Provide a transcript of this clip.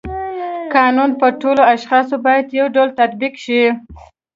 قانون په ټولو اشخاصو باید یو ډول تطبیق شي.